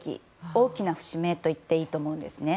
大きな節目と言っていいと思うんですね。